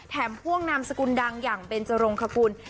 แถ่งพวกนามสกุลดังอย่างเป็นเจรงคกุล